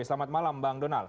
selamat malam bang donal